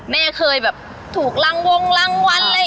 แม่เคยแบบถูกลังวงหลังวัน